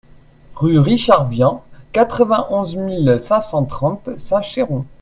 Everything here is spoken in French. Rue Richard Vian, quatre-vingt-onze mille cinq cent trente Saint-Chéron